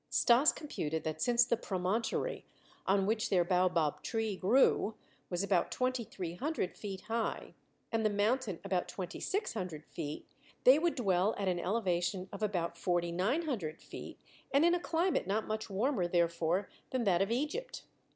Stas computed that since the promontory, on which their baobab tree grew, was about twenty three hundred feet high and the mountain about twenty six hundred feet, they would dwell at an elevation of about forty nine hundred feet and in a climate not much warmer, therefore, than that of Egypt.